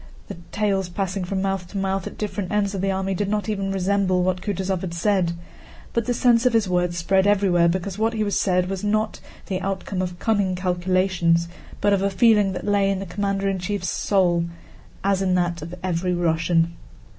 The tales passing from mouth to mouth at different ends of the army did not even resemble what Kutúzov had said, but the sense of his words spread everywhere because what he said was not the outcome of cunning calculations, but of a feeling that lay in the commander in chief's soul as in that of every Russian.